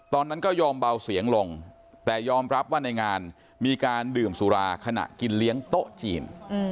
ตอนนั้นก็ยอมเบาเสียงลงแต่ยอมรับว่าในงานมีการดื่มสุราขณะกินเลี้ยงโต๊ะจีน